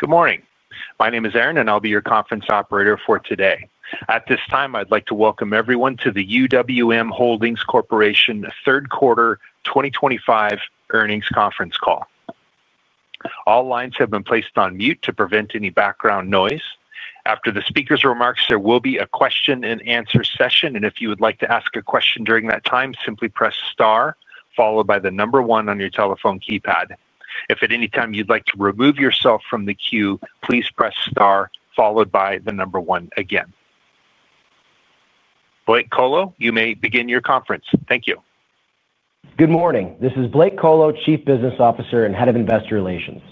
Good morning. My name is Aaron, and I'll be your conference operator for today. At this time, I'd like to welcome everyone to the UWM Holdings Corporation Third Quarter 2025 Earnings Conference Call. All lines have been placed on mute to prevent any background noise. After the speaker's remarks, there will be a question-and-answer session, and if you would like to ask a question during that time, simply press star followed by the number one on your telephone keypad. If at any time you'd like to remove yourself from the queue, please press star followed by the number one again. Blake Kolo, you may begin your conference. Thank you. Good morning. This is Blake Kolo, Chief Business Officer and Head of Investor Relations.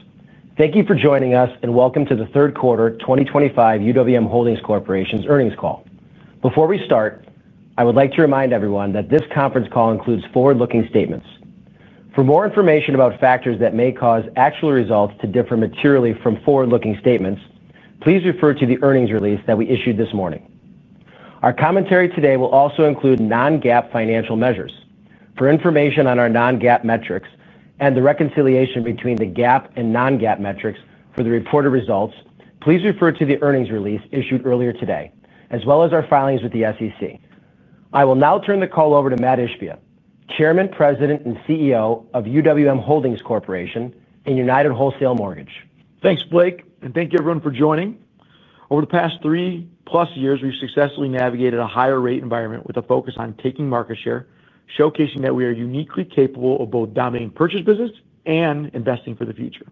Thank you for joining us, and welcome to the Third Quarter 2025 UWM Holdings Corporation's Earnings Call. Before we start, I would like to remind everyone that this conference call includes forward-looking statements. For more information about factors that may cause actual results to differ materially from forward-looking statements, please refer to the earnings release that we issued this morning. Our commentary today will also include non-GAAP financial measures. For information on our non-GAAP metrics and the reconciliation between the GAAP and non-GAAP metrics for the reported results, please refer to the earnings release issued earlier today, as well as our filings with the SEC. I will now turn the call over to Matt Ishbia, Chairman, President, and CEO of UWM Holdings Corporation and United Wholesale Mortgage. Thanks, Blake, and thank you, everyone, for joining. Over the past three-plus years, we've successfully navigated a higher-rate environment with a focus on taking market share, showcasing that we are uniquely capable of both dominating purchase business and investing for the future.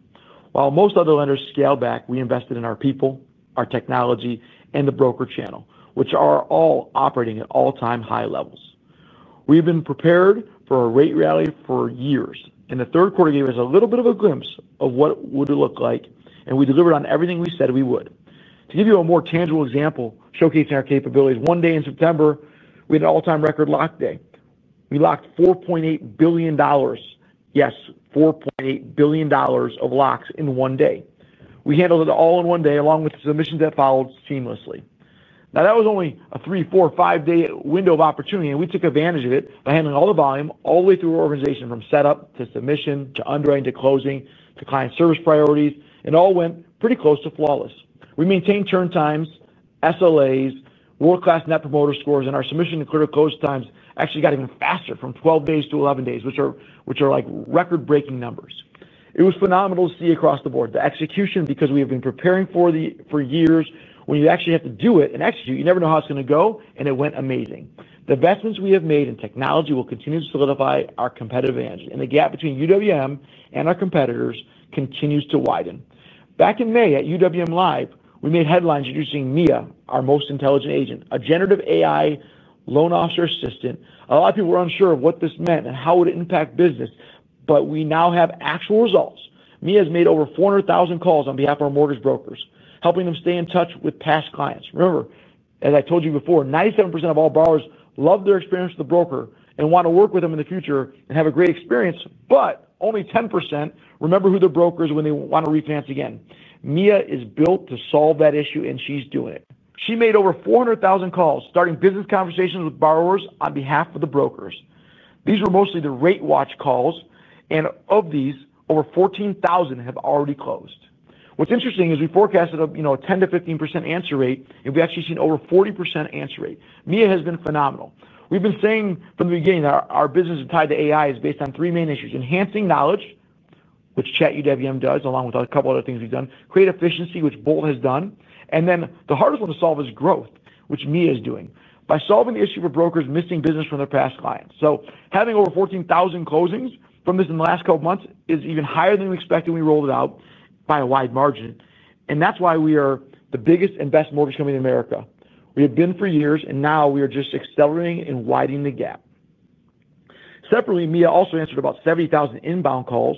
While most other lenders scale back, we invested in our people, our technology, and the broker channel, which are all operating at all-time high levels. We've been prepared for a rate rally for years, and the third quarter gave us a little bit of a glimpse of what it would look like, and we delivered on everything we said we would. To give you a more tangible example showcasing our capabilities, one day in September, we had an all-time record lock day. We locked $4.8 billion. Yes, $4.8 billion of locks in one day. We handled it all in one day, along with the submissions that followed seamlessly. Now, that was only a three, four, five-day window of opportunity, and we took advantage of it by handling all the volume all the way through our organization, from setup to submission to underwriting to closing to client service priorities, and it all went pretty close to flawless. We maintained turn times, SLAs, world-class Net Promoter Scores, and our submission and clear-to-close times actually got even faster, from 12 days-11 days, which are record-breaking numbers. It was phenomenal to see across the board. The execution, because we have been preparing for years when you actually have to do it and execute, you never know how it's going to go, and it went amazing. The investments we have made in technology will continue to solidify our competitive advantage, and the gap between UWM and our competitors continues to widen. Back in May at UWM Live, we made headlines introducing Mia, our most intelligent agent, a generative AI loan officer assistant. A lot of people were unsure of what this meant and how it would impact business, but we now have actual results. Mia has made over 400,000 calls on behalf of our mortgage brokers, helping them stay in touch with past clients. Remember, as I told you before, 97% of all borrowers love their experience with the broker and want to work with them in the future and have a great experience, but only 10% remember who their broker is when they want to refinance again. Mia is built to solve that issue, and she's doing it. She made over 400,000 calls, starting business conversations with borrowers on behalf of the brokers. These were mostly the rate watch calls, and of these, over 14,000 have already closed. What's interesting is we forecasted a 10%-15% answer rate, and we've actually seen over 40% answer rate. Mia has been phenomenal. We've been saying from the beginning that our business is tied to AI, is based on three main issues: enhancing knowledge, which Chat UWM does, along with a couple of other things we've done; create efficiency, which BOLT has done; and then the hardest one to solve is growth, which Mia is doing, by solving the issue of brokers missing business from their past clients. Having over 14,000 closings from this in the last couple of months is even higher than we expected when we rolled it out, by a wide margin, and that's why we are the biggest and best mortgage company in America. We have been for years, and now we are just accelerating and widening the gap. Separately, Mia also answered about 70,000 inbound calls.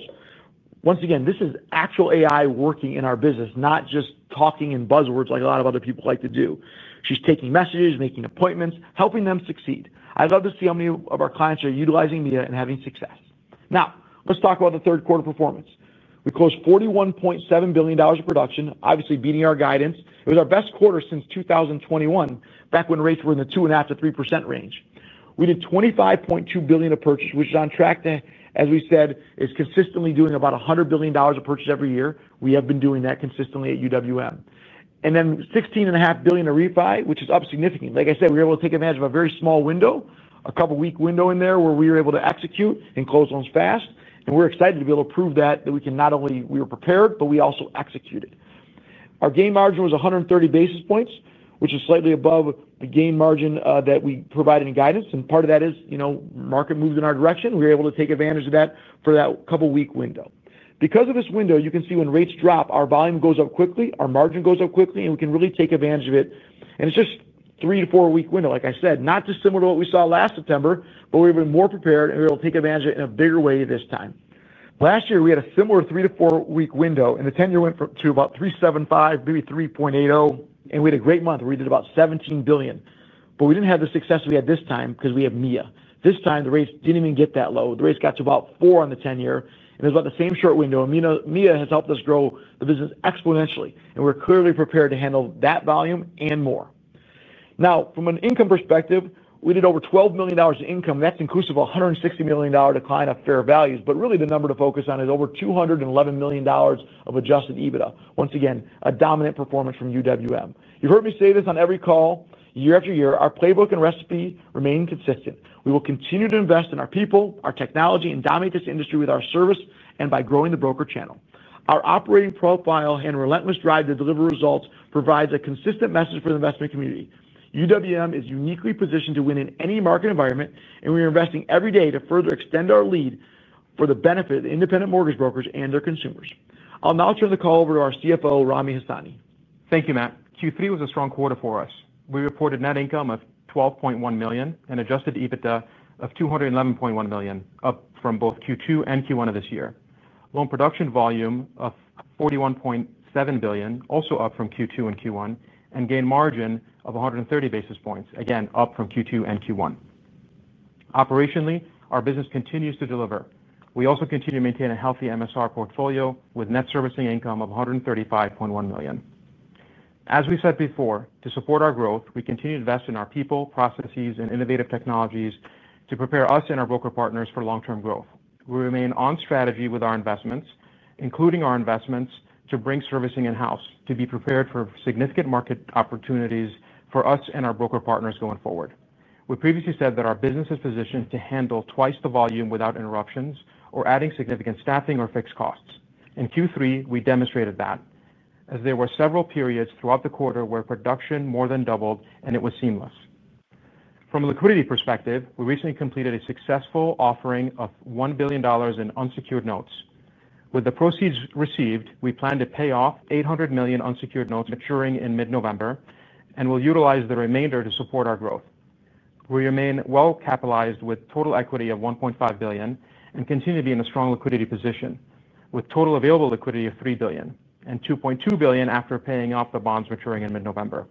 Once again, this is actual AI working in our business, not just talking in buzzwords like a lot of other people like to do. She's taking messages, making appointments, helping them succeed. I'd love to see how many of our clients are utilizing Mia and having success. Now, let's talk about the third quarter performance. We closed $41.7 billion of production, obviously beating our guidance. It was our best quarter since 2021, back when rates were in the 2.5%-3% range. We did $25.2 billion of purchase, which is on track to, as we said, is consistently doing about $100 billion of purchase every year. We have been doing that consistently at UWM. And then $16.5 billion of Refi, which is up significantly. Like I said, we were able to take advantage of a very small window, a couple-week window in there where we were able to execute and close loans fast, and we are excited to be able to prove that we can not only be prepared, but we also executed. Our gain margin was 130 basis points, which is slightly above the gain margin that we provided in guidance, and part of that is market moves in our direction. We were able to take advantage of that for that couple-week window. Because of this window, you can see when rates drop, our volume goes up quickly, our margin goes up quickly, and we can really take advantage of it. It's just a three-four-week window, like I said, not dissimilar to what we saw last September, but we've been more prepared, and we're able to take advantage of it in a bigger way this time. Last year, we had a similar three to four-week window, and the ten-year went to about 3.75, maybe 3.80, and we had a great month. We did about $17 billion, but we didn't have the success we had this time because we have Mia. This time, the rates didn't even get that low. The rates got to about four on the ten-year, and it was about the same short window, and Mia has helped us grow the business exponentially, and we're clearly prepared to handle that volume and more. Now, from an income perspective, we did over $12 million in income. That's inclusive of a $160 million decline of fair values, but really the number to focus on is over $211 million of adjusted EBITDA. Once again, a dominant performance from UWM. You've heard me say this on every call, year after year, our playbook and recipe remain consistent. We will continue to invest in our people, our technology, and dominate this industry with our service and by growing the broker channel. Our operating profile and relentless drive to deliver results provides a consistent message for the investment community. UWM is uniquely positioned to win in any market environment, and we are investing every day to further extend our lead for the benefit of independent mortgage brokers and their consumers. I'll now turn the call over to our CFO, Rami Hasani. Thank you, Matt. Q3 was a strong quarter for us. We reported net income of $12.1 million and adjusted EBITDA of $211.1 million, up from both Q2 and Q1 of this year. Loan production volume of $41.7 billion, also up from Q2 and Q1, and gain margin of 130 basis points, again up from Q2 and Q1. Operationally, our business continues to deliver. We also continue to maintain a healthy MSR portfolio with net servicing income of $135.1 million. As we said before, to support our growth, we continue to invest in our people, processes, and innovative technologies to prepare us and our broker partners for long-term growth. We remain on strategy with our investments, including our investments to bring servicing in-house to be prepared for significant market opportunities for us and our broker partners going forward. We previously said that our business is positioned to handle twice the volume without interruptions or adding significant staffing or fixed costs. In Q3, we demonstrated that, as there were several periods throughout the quarter where production more than doubled, and it was seamless. From a liquidity perspective, we recently completed a successful offering of $1 billion in unsecured notes. With the proceeds received, we plan to pay off $800 million unsecured notes maturing in mid-November, and we'll utilize the remainder to support our growth. We remain well-capitalized with total equity of $1.5 billion and continue to be in a strong liquidity position, with total available liquidity of $3 billion and $2.2 billion after paying off the bonds maturing in mid-November.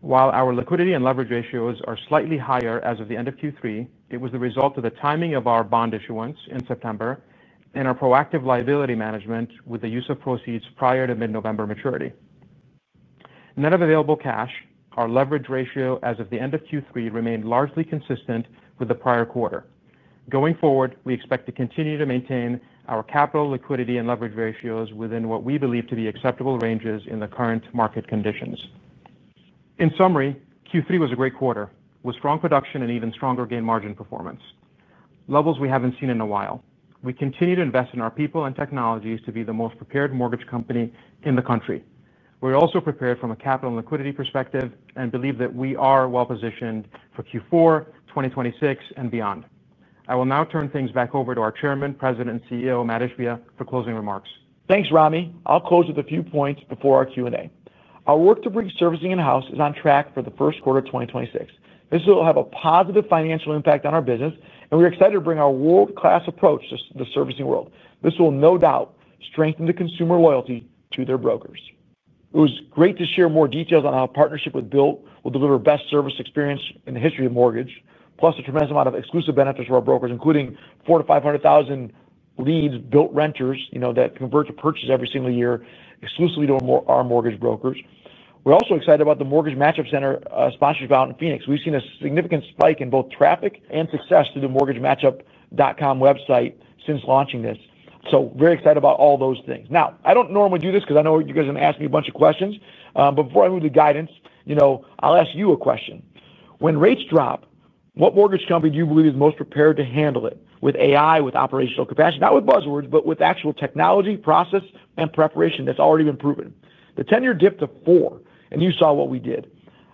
While our liquidity and leverage ratios are slightly higher as of the end of Q3, it was the result of the timing of our bond issuance in September and our proactive liability management with the use of proceeds prior to mid-November maturity. Net of available cash, our leverage ratio as of the end of Q3 remained largely consistent with the prior quarter. Going forward, we expect to continue to maintain our capital, liquidity, and leverage ratios within what we believe to be acceptable ranges in the current market conditions. In summary, Q3 was a great quarter with strong production and even stronger gain margin performance, levels we haven't seen in a while. We continue to invest in our people and technologies to be the most prepared mortgage company in the country. We're also prepared from a capital and liquidity perspective and believe that we are well-positioned for Q4 2026 and beyond. I will now turn things back over to our Chairman, President, and CEO, Matt Ishbia, for closing remarks. Thanks, Rami. I'll close with a few points before our Q&A. Our work to bring servicing in-house is on track for the first quarter of 2026. This will have a positive financial impact on our business, and we're excited to bring our world-class approach to the servicing world. This will, no doubt, strengthen the consumer loyalty to their brokers. It was great to share more details on our partnership with BILT. We'll deliver the best service experience in the history of mortgage, plus a tremendous amount of exclusive benefits for our brokers, including 400,000 leads-500,000 leads, BILT renters that convert to purchase every single year exclusively to our mortgage brokers. We're also excited about the Mortgage Matchup Center sponsorship out in Phoenix. We've seen a significant spike in both traffic and success through the mortgagematchup.com website since launching this. Very excited about all those things. Now, I don't normally do this because I know you guys are going to ask me a bunch of questions, but before I move to guidance, I'll ask you a question. When rates drop, what mortgage company do you believe is most prepared to handle it with AI, with operational capacity, not with buzzwords, but with actual technology, process, and preparation that's already been proven? The ten-year dipped to 4, and you saw what we did.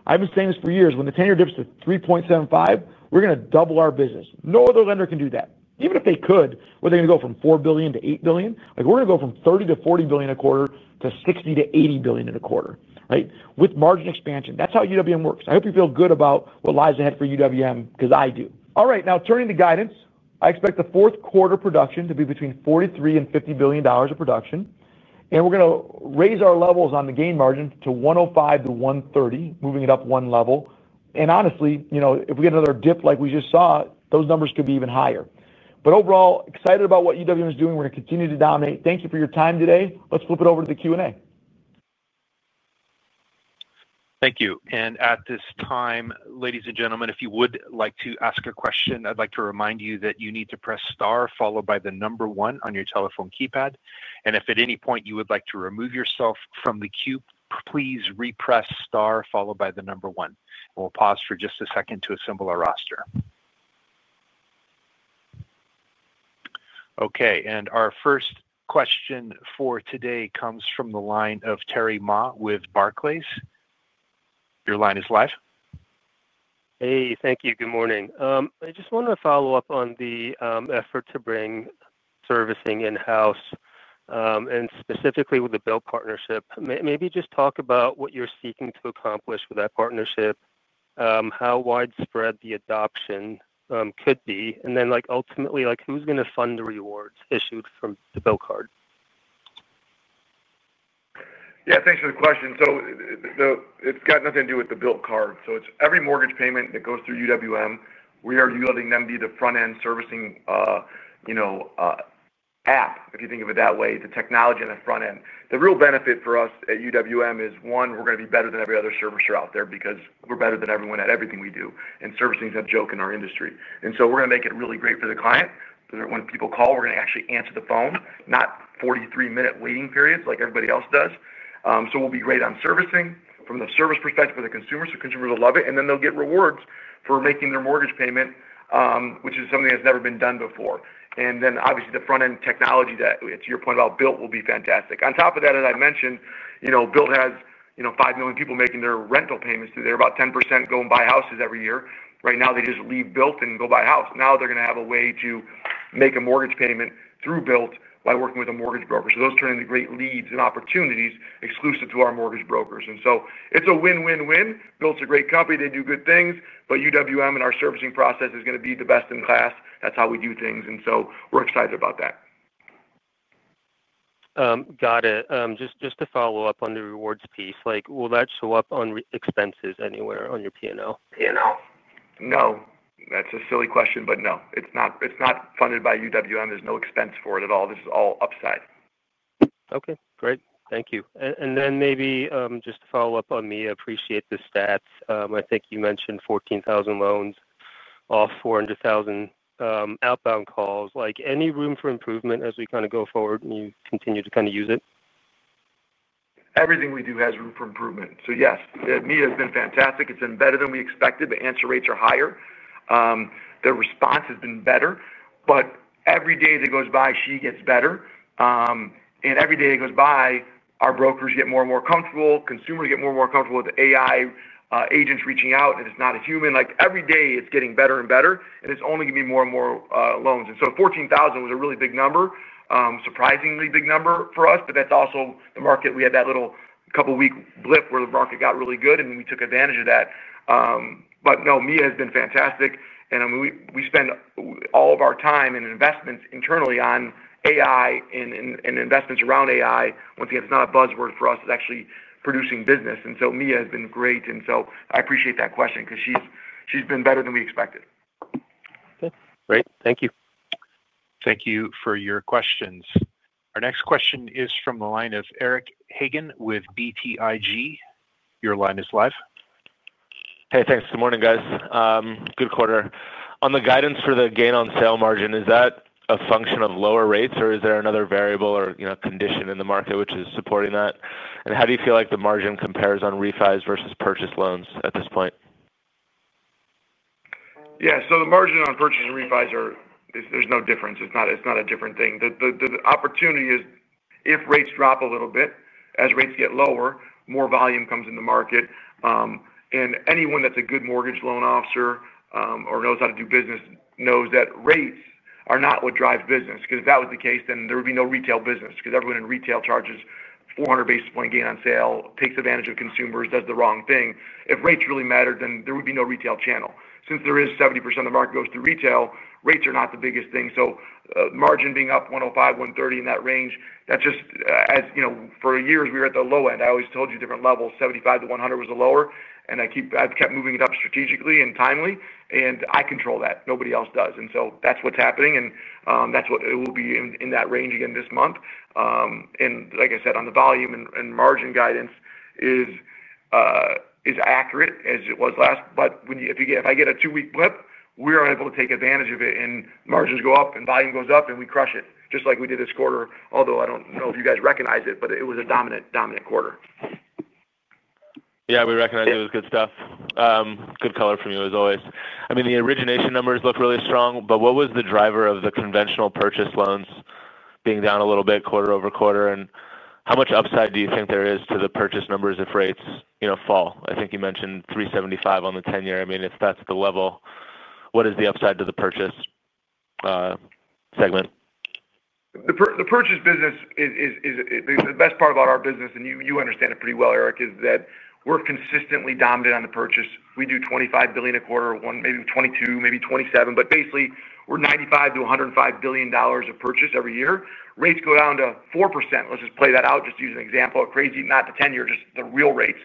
I've been saying this for years. When the ten-year dips to 3.75, we're going to double our business. No other lender can do that. Even if they could, were they going to go from $4 billion-$8 billion? We're going to go from $30 billion-$40 billion in a quarter to $60 billion-$80 billion in a quarter, right, with margin expansion. That's how UWM works. I hope you feel good about what lies ahead for UWM because I do. All right, now turning to guidance, I expect the fourth quarter production to be between $43 billion and $50 billion of production, and we're going to raise our levels on the gain margin to 105 basis points-130 basis points, moving it up one level. Honestly, if we get another dip like we just saw, those numbers could be even higher. Overall, excited about what UWM is doing. We're going to continue to dominate. Thank you for your time today. Let's flip it over to the Q&A. Thank you. At this time, ladies and gentlemen, if you would like to ask a question, I'd like to remind you that you need to press star followed by the number one on your telephone keypad. If at any point you would like to remove yourself from the queue, please repress star followed by the number one. We'll pause for just a second to assemble our roster. Okay, our first question for today comes from the line of Terry Ma with Barclays. Your line is live. Hey, thank you. Good morning. I just want to follow up on the effort to bring servicing in-house. And specifically with the BILT partnership, maybe just talk about what you're seeking to accomplish with that partnership. How widespread the adoption could be, and then ultimately, who's going to fund the rewards issued from the Bilt card? Yeah, thanks for the question. It's got nothing to do with the Bilt card. It's every mortgage payment that goes through UWM, we are letting them be the front-end servicing app, if you think of it that way, the technology on the front end. The real benefit for us at UWM is, one, we're going to be better than every other servicer out there because we're better than everyone at everything we do, and servicing is a joke in our industry. We're going to make it really great for the client. When people call, we're going to actually answer the phone, not 43-minute waiting periods like everybody else does. We'll be great on servicing from the service perspective for the consumers, so consumers will love it, and then they'll get rewards for making their mortgage payment, which is something that's never been done before. Obviously the front-end technology that, to your point about Bilt, will be fantastic. On top of that, as I mentioned, Bilt has 5 million people making their rental payments through there. About 10% go and buy houses every year. Right now, they just leave Bilt and go buy a house. Now they're going to have a way to make a mortgage payment through Bilt by working with a mortgage broker. Those turn into great leads and opportunities exclusive to our mortgage brokers. It is a win-win-win. Bilt's a great company. They do good things, but UWM and our servicing process is going to be the best in class. That is how we do things, and we are excited about that. Got it. Just to follow up on the rewards piece, will that show up on expenses anywhere on your P&L? P&L? No, that's a silly question, but no. It's not funded by UWM. There's no expense for it at all. This is all upside. Okay, great. Thank you. Maybe just to follow up on Mia, I appreciate the stats. I think you mentioned 14,000 loans, all 400,000 outbound calls. Any room for improvement as we kind of go forward and you continue to kind of use it? Everything we do has room for improvement. Yes, Mia has been fantastic. It's been better than we expected. The answer rates are higher. The response has been better, but every day that goes by, she gets better. Every day that goes by, our brokers get more and more comfortable. Consumers get more and more comfortable with AI agents reaching out, and it's not a human. Every day it's getting better and better, and it's only going to be more and more loans. Fourteen thousand was a really big number, surprisingly big number for us, but that's also the market. We had that little couple-week blip where the market got really good, and we took advantage of that. Mia has been fantastic, and we spend all of our time and investments internally on AI and investments around AI. Once again, it's not a buzzword for us. It's actually producing business. Mia has been great, and I appreciate that question because she's been better than we expected. Okay, great. Thank you. Thank you for your questions. Our next question is from the line of Eric Hagan with BTIG. Your line is live. Hey, thanks. Good morning, guys. Good quarter. On the guidance for the gain-on-sale margin, is that a function of lower rates, or is there another variable or condition in the market which is supporting that? How do you feel like the margin compares on Refis versus purchase loans at this point? Yeah, so the margin on purchase and Refis, there's no difference. It's not a different thing. The opportunity is if rates drop a little bit, as rates get lower, more volume comes into the market. And anyone that's a good mortgage loan officer or knows how to do business knows that rates are not what drives business. Because if that was the case, then there would be no retail business because everyone in retail charges 400 basis points gain on sale, takes advantage of consumers, does the wrong thing. If rates really mattered, then there would be no retail channel. Since there is 70% of the market goes through retail, rates are not the biggest thing. So margin being up 105-130 in that range, that's just for years, we were at the low end. I always told you different levels, 75-100 was the lower, and I've kept moving it up strategically and timely, and I control that. Nobody else does. That is what's happening, and that is what it will be in that range again this month. Like I said, on the volume and margin guidance, it is accurate as it was last, but if I get a two-week blip, we are able to take advantage of it, and margins go up and volume goes up, and we crush it just like we did this quarter. I do not know if you guys recognize it, but it was a dominant, dominant quarter. Yeah, we recognize it was good stuff. Good color from you, as always. I mean, the origination numbers look really strong, but what was the driver of the conventional purchase loans being down a little bit quarter over quarter? And how much upside do you think there is to the purchase numbers if rates fall? I think you mentioned 3.75 on the ten-year. I mean, if that's the level, what is the upside to the purchase segment? The purchase business is the best part about our business, and you understand it pretty well, Eric, is that we're consistently dominant on the purchase. We do $25 billion a quarter, maybe $22 billion, maybe $27 billion, but basically we're $95 billion-$105 billion of purchase every year. Rates go down to 4%. Let's just play that out, just to use an example. Crazy, not the ten-year, just the real rates.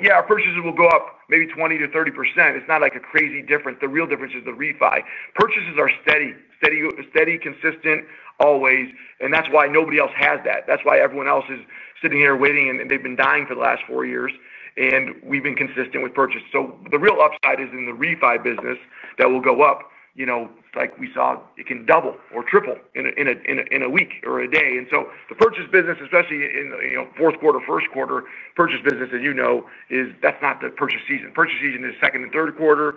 Yeah, our purchases will go up maybe 20%-30%. It's not like a crazy difference. The real difference is the refi. Purchases are steady, steady, consistent always, and that's why nobody else has that. That's why everyone else is sitting here waiting, and they've been dying for the last four years, and we've been consistent with purchase. The real upside is in the refi business that will go up. Like we saw, it can double or triple in a week or a day. The purchase business, especially in fourth quarter, first quarter purchase business, as you know, that's not the purchase season. Purchase season is second and third quarter.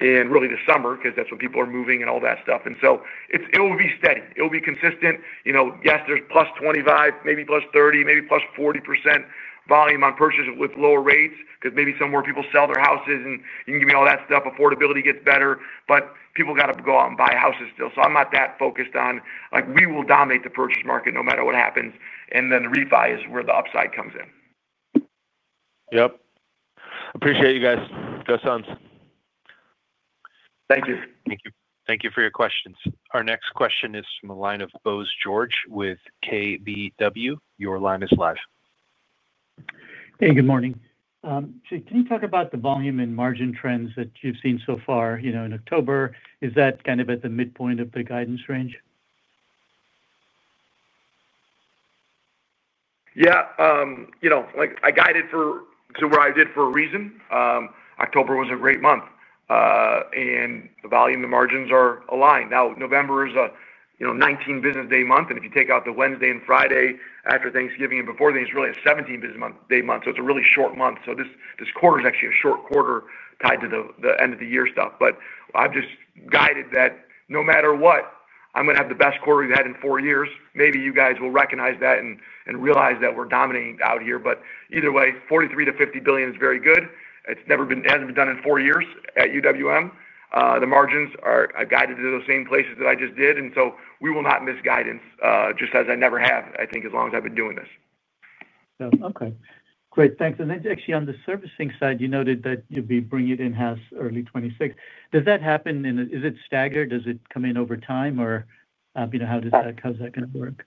Really the summer because that's when people are moving and all that stuff. It will be steady. It will be consistent. Yes, there's +25%, maybe +30%, maybe +40% volume on purchase with lower rates because maybe some more people sell their houses, and you can give me all that stuff. Affordability gets better, but people got to go out and buy houses still. I'm not that focused on we will dominate the purchase market no matter what happens, and then refi is where the upside comes in. Yeah. Appreciate you guys. That sounds. Thank you. Thank you. Thank you for your questions. Our next question is from the line of Bose George with KBW. Your line is live. Hey, good morning. Can you talk about the volume and margin trends that you've seen so far? In October, is that kind of at the midpoint of the guidance range? Yeah. I guided to where I did for a reason. October was a great month. The volume and the margins are aligned. Now, November is a 19 business day month, and if you take out the Wednesday and Friday after Thanksgiving and before Thanksgiving, it is really a 17 business day month. It is a really short month. This quarter is actually a short quarter tied to the end of the year stuff. I have just guided that no matter what, I am going to have the best quarter we have had in four years. Maybe you guys will recognize that and realize that we are dominating out here. Either way, $43 billion-$50 billion is very good. It has not been done in four years at UWM. The margins are guided to those same places that I just did, and so we will not miss guidance just as I never have, I think, as long as I've been doing this. Okay. Great. Thanks. Then actually on the servicing side, you noted that to bring it in-house early 2026. Does that happen, and is it staggered? Does it come in over time, or how does that work?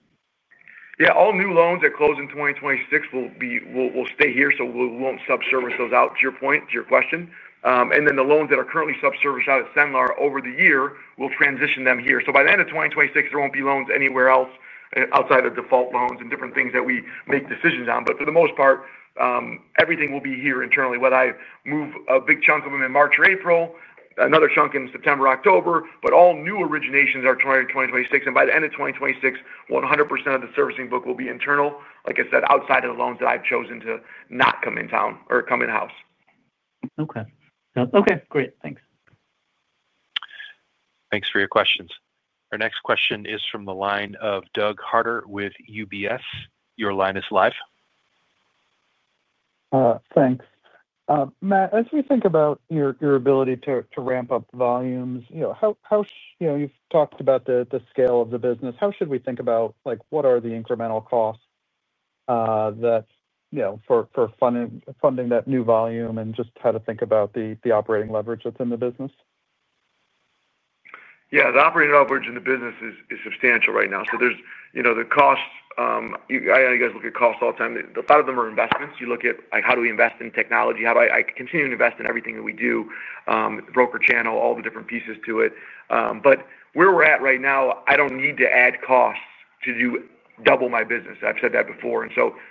Yeah. All new loans that close in 2026 will stay here, so we won't sub-service those out to your point, to your question. The loans that are currently sub-serviced out at Cenlar over the year, we'll transition them here. By the end of 2026, there won't be loans anywhere else outside of default loans and different things that we make decisions on. For the most part, everything will be here internally. Whether I move a big chunk of them in March or April, another chunk in September or October, all new originations are tonight in 2026. By the end of 2026, 100% of the servicing book will be internal, like I said, outside of the loans that I've chosen to not come in town or come in-house. Okay. Great. Thanks. Thanks for your questions. Our next question is from the line of Doug Harter with UBS. Your line is live. Thanks. Matt, as we think about your ability to ramp up volumes, how, you've talked about the scale of the business. How should we think about what are the incremental costs for funding that new volume and just how to think about the operating leverage that's in the business? Yeah. The operating leverage in the business is substantial right now. So the costs, I guess, look at costs all the time. A lot of them are investments. You look at how do we invest in technology, how do I continue to invest in everything that we do. Broker channel, all the different pieces to it. But where we're at right now, I don't need to add costs to double my business. I've said that before.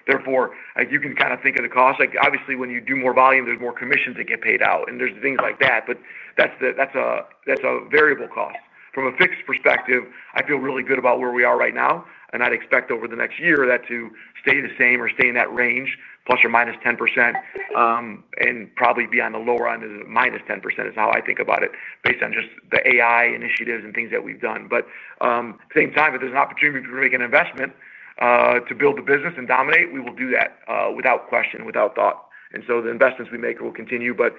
Therefore, you can kind of think of the cost. Obviously, when you do more volume, there's more commissions that get paid out, and there's things like that. That's a variable cost. From a fixed perspective, I feel really good about where we are right now, and I'd expect over the next year that to stay the same or stay in that range, +or -10%. Probably be on the lower end of the -10% is how I think about it based on just the AI initiatives and things that we've done. At the same time, if there's an opportunity to make an investment to build the business and dominate, we will do that without question, without thought. The investments we make will continue. The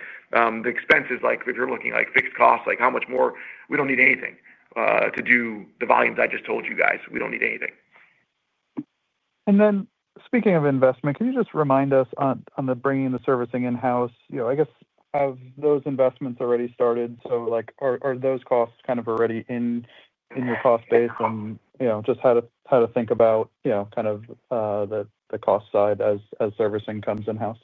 expenses, if you're looking at fixed costs, how much more we don't need anything to do the volumes I just told you guys. We don't need anything. Speaking of investment, can you just remind us on bringing the servicing in-house? I guess have those investments already started? Are those costs kind of already in your cost base and just how to think about the cost side as servicing comes in-house?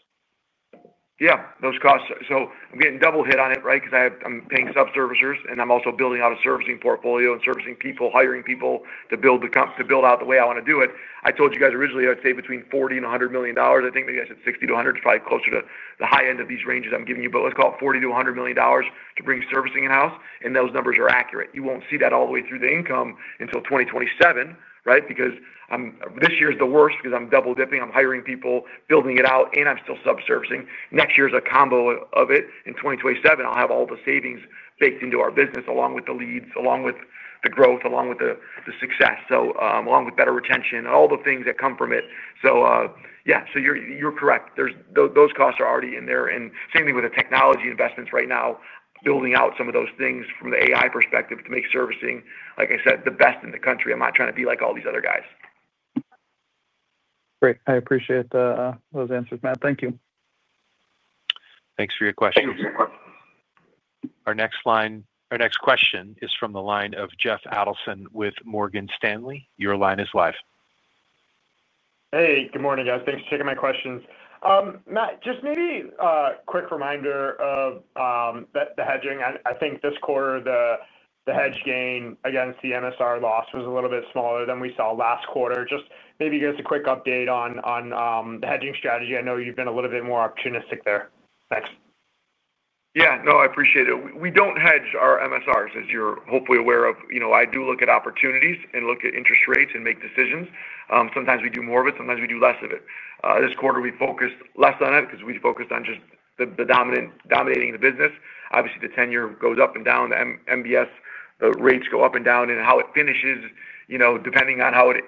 Yeah. I'm getting double hit on it, right? Because I'm paying sub-servicers, and I'm also building out a servicing portfolio and servicing people, hiring people to build out the way I want to do it. I told you guys originally I'd say between $40 million and $100 million. I think maybe I said $60 million to $100 million, probably closer to the high end of these ranges I'm giving you. Let's call it $40 million-$100 million to bring servicing in-house, and those numbers are accurate. You won't see that all the way through the income until 2027, right? Because this year is the worst because I'm double dipping. I'm hiring people, building it out, and I'm still sub-servicing. Next year is a combo of it. In 2027, I'll have all the savings baked into our business along with the leads, along with the growth, along with the success, along with better retention, and all the things that come from it. Yeah, you're correct. Those costs are already in there. Same thing with the technology investments right now, building out some of those things from the AI perspective to make servicing, like I said, the best in the country. I'm not trying to be like all these other guys. Great. I appreciate those answers, Matt. Thank you. Thanks for your questions. Our next question is from the line of Jeff Adelson with Morgan Stanley. Your line is live. Hey, good morning, guys. Thanks for taking my questions. Matt, just maybe a quick reminder of the hedging. I think this quarter, the hedge gain against the MSR loss was a little bit smaller than we saw last quarter. Just maybe give us a quick update on the hedging strategy. I know you've been a little bit more opportunistic there. Thanks. Yeah. No, I appreciate it. We do not hedge our MSRs, as you are hopefully aware of. I do look at opportunities and look at interest rates and make decisions. Sometimes we do more of it. Sometimes we do less of it. This quarter, we focused less on it because we focused on just dominating the business. Obviously, the ten-year goes up and down. The MBS, the rates go up and down. How it finishes, depending on how it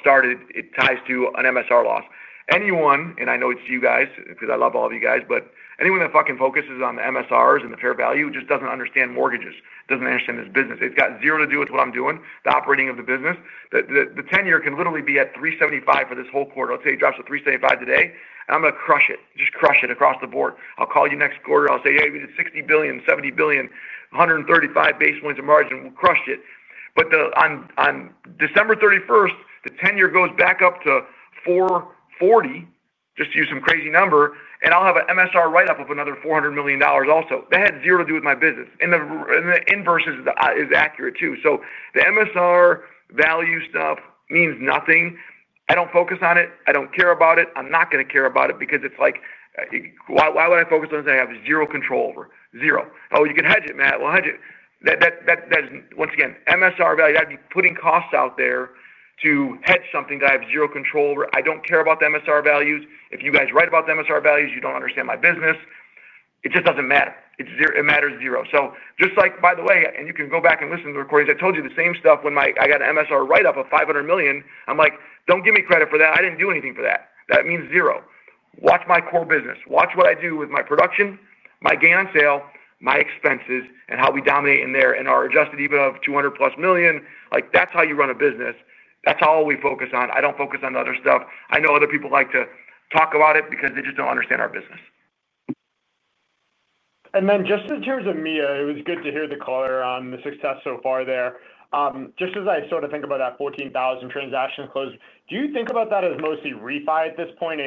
started, it ties to an MSR loss. Anyone, and I know it is you guys because I love all of you guys, but anyone that fucking focuses on the MSRs and the fair value just does not understand mortgages. Does not understand this business. It has zero to do with what I am doing, the operating of the business. The ten-year can literally be at 375 for this whole quarter. Let's say it drops to 375 today, and I'm going to crush it. Just crush it across the board. I'll call you next quarter. I'll say, "Hey, we did $60 billion, $70 billion, 135 basis points of margin. We crushed it." On December 31, the ten-year goes back up to 440, just to use some crazy number, and I'll have an MSR write-up of another $400 million also. That had zero to do with my business. The inverse is accurate too. The MSR value stuff means nothing. I don't focus on it. I don't care about it. I'm not going to care about it because it's like, why would I focus on this? I have zero control over. Zero. "Oh, you can hedge it, Matt. We'll hedge it." Once again, MSR value, I'd be putting costs out there to hedge something that I have zero control over. I don't care about the MSR values. If you guys write about the MSR values, you don't understand my business. It just doesn't matter. It matters zero. Just like, by the way, and you can go back and listen to the recordings. I told you the same stuff when I got an MSR write-up of $500 million. I'm like, "Don't give me credit for that. I didn't do anything for that." That means zero. Watch my core business. Watch what I do with my production, my gain on sale, my expenses, and how we dominate in there. Our adjusted EBITDA of $200 million+, that's how you run a business. That's what we focus on. I don't focus on other stuff. I know other people like to talk about it because they just don't understand our business. In terms of Mia, it was good to hear the caller on the success so far there. Just as I sort of think about that 14,000 transactions closed, do you think about that as mostly refi at this point?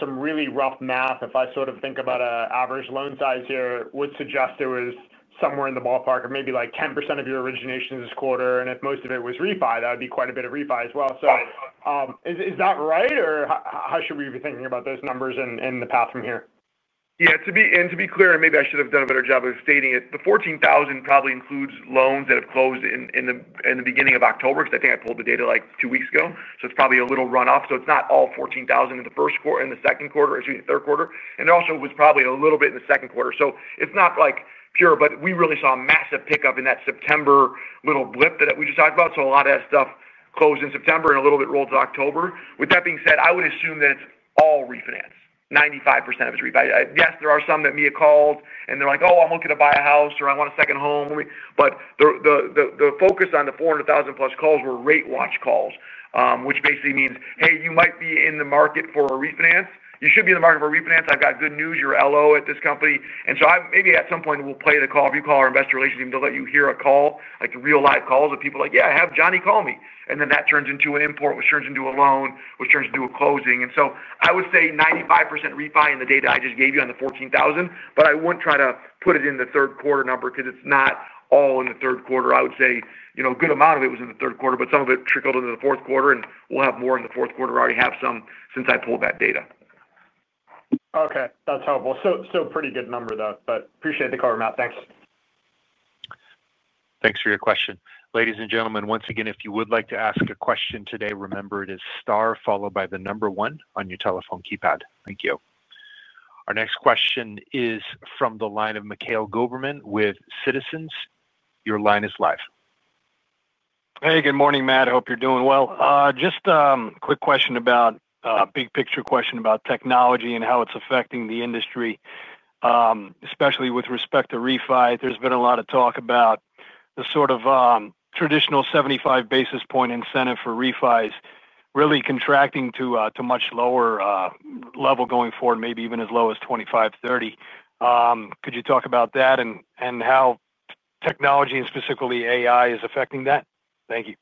Some really rough math, if I sort of think about an average loan size here, would suggest it was somewhere in the ballpark of maybe like 10% of your originations this quarter. If most of it was Refi, that would be quite a bit of Refi as well. Is that right, or how should we be thinking about those numbers and the path from here? Yeah. And to be clear, and maybe I should have done a better job of stating it, the 14,000 probably includes loans that have closed in the beginning of October because I think I pulled the data like two weeks ago. So it's probably a little run-off. It's not all 14,000 in the third quarter. There also was probably a little bit in the second quarter. It's not pure, but we really saw a massive pickup in that September little blip that we just talked about. A lot of that stuff closed in September and a little bit rolled to October. With that being said, I would assume that it's all refinanced. 95% of it is refinanced. Yes, there are some that Mia called, and they're like, "Oh, I'm looking to buy a house," or, "I want a second home." The focus on the 400,000+ calls were rate watch calls, which basically means, "Hey, you might be in the market for a refinance. You should be in the market for a refinance. I've got good news. You're an LO at this company." Maybe at some point, we'll play the call. If you call our investor relations team, they'll let you hear a call, like real-life calls of people like, "Yeah, I have Johnny call me." That turns into an import, which turns into a loan, which turns into a closing. I would say 95% Refine the data I just gave you on the 14,000, but I would not try to put it in the third quarter number because it is not all in the third quarter. I would say a good amount of it was in the third quarter, but some of it trickled into the fourth quarter, and we will have more in the fourth quarter. I already have some since I pulled that data. Okay. That's helpful. Pretty good number, though. Appreciate the call, Matt. Thanks. Thanks for your question. Ladies and gentlemen, once again, if you would like to ask a question today, remember it is star followed by the number one on your telephone keypad. Thank you. Our next question is from the line of Mikhail Goberman with Citizens. Your line is live. Hey, good morning, Matt. I hope you're doing well. Just a quick question about a big picture question about technology and how it's affecting the industry. Especially with respect to Refi, there's been a lot of talk about the sort of traditional 75 basis point incentive for Refis really contracting to a much lower level going forward, maybe even as low as 25, 30. Could you talk about that and how technology, and specifically AI, is affecting that? Thank you.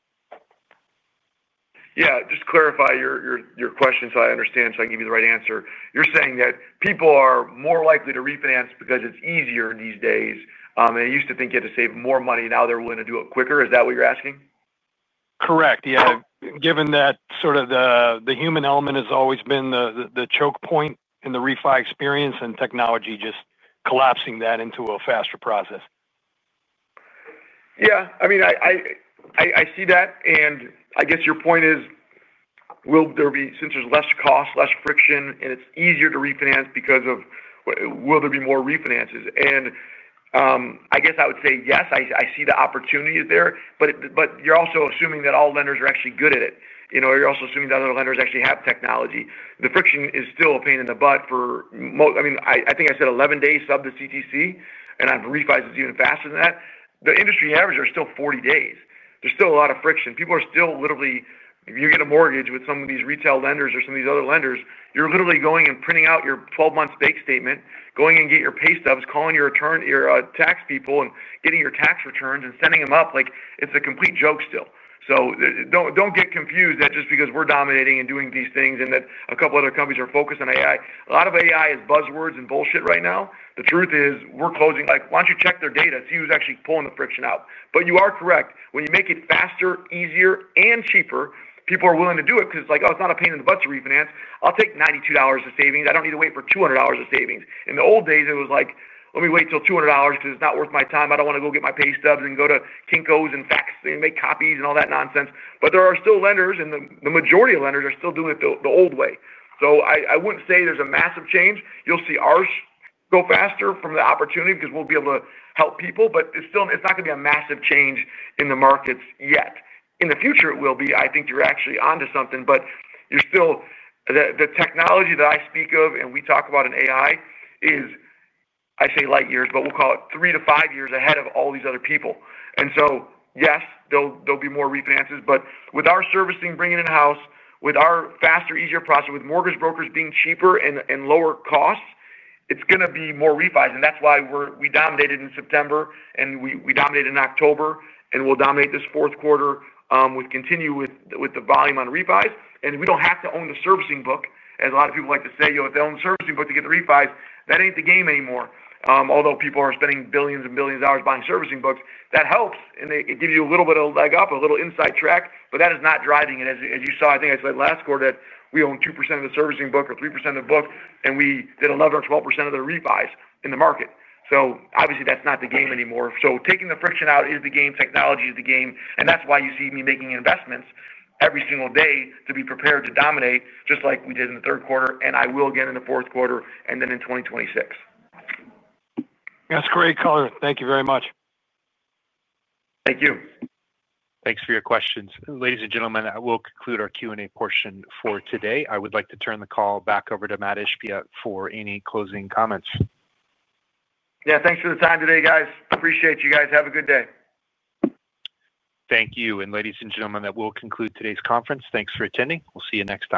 Yeah. Just to clarify your question so I understand so I can give you the right answer. You're saying that people are more likely to refinance because it's easier these days. They used to think you had to save more money. Now they're willing to do it quicker. Is that what you're asking? Correct. Yeah. Given that sort of the human element has always been the choke point in the Refi experience and technology just collapsing that into a faster process. Yeah. I mean. I see that. I guess your point is, since there's less cost, less friction, and it's easier to refinance because of—will there be more refinances? I guess I would say yes, I see the opportunities there. You're also assuming that all lenders are actually good at it. You're also assuming that other lenders actually have technology. The friction is still a pain in the butt for—I mean, I think I said 11 days sub the CTC, and I've refined it even faster than that. The industry averages are still 40 days. There's still a lot of friction. People are still literally, if you get a mortgage with some of these retail lenders or some of these other lenders, you're literally going and printing out your 12-month bank statement, going and getting your pay stubs, calling your tax people and getting your tax returns and sending them up. It's a complete joke still. Do not get confused that just because we're dominating and doing these things and that a couple of other companies are focused on AI. A lot of AI is buzzwords and bullshit right now. The truth is we're closing like, "Why don't you check their data? See who's actually pulling the friction out?" You are correct. When you make it faster, easier, and cheaper, people are willing to do it because it's like, "Oh, it's not a pain in the butt to refinance. I'll take $92 of savings. I don't need to wait for $200 of savings. In the old days, it was like, "Let me wait till $200 because it's not worth my time. I don't want to go get my pay stubs and go to Kinko's and fax and make copies and all that nonsense." There are still lenders, and the majority of lenders are still doing it the old way. I wouldn't say there's a massive change. You'll see ours go faster from the opportunity because we'll be able to help people. It's not going to be a massive change in the markets yet. In the future, it will be. I think you're actually onto something. The technology that I speak of and we talk about in AI is, I say light years, but we'll call it three to five years ahead of all these other people. Yes, there'll be more refinances. With our servicing bringing in-house, with our faster, easier process, with mortgage brokers being cheaper and lower cost, it's going to be more Refis. That is why we dominated in September, and we dominated in October, and we'll dominate this fourth quarter with the continued volume on Refis. We don't have to own the servicing book, as a lot of people like to say. If they own the servicing book to get the Refis, that is not the game anymore. Although people are spending billions and billions of dollars buying servicing books, that helps. It gives you a little bit of a leg up, a little inside track. That is not driving it. As you saw, I think I said last quarter that we owned 2% of the servicing book or 3% of the book, and we did 11% or 12% of the Refis in the market. Obviously, that's not the game anymore. Taking the friction out is the game. Technology is the game. That's why you see me making investments every single day to be prepared to dominate just like we did in the third quarter, and I will again in the fourth quarter, and then in 2026. That's great, color. Thank you very much. Thank you. Thanks for your questions. Ladies and gentlemen, we'll conclude our Q&A portion for today. I would like to turn the call back over to Matt Ishbia for any closing comments. Yeah. Thanks for the time today, guys. Appreciate you guys. Have a good day. Thank you. Ladies and gentlemen, that will conclude today's conference. Thanks for attending. We'll see you next time.